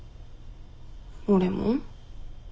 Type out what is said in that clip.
俺も？